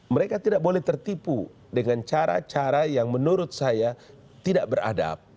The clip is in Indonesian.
mereka tidak boleh tertipu dengan cara cara yang menurut saya tidak beradab